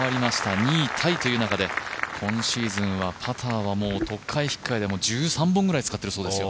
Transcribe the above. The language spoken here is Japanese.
２位タイという中で今シーズンはパターは取っかえ引っかえでもう１３本くらい使っているそうですよ。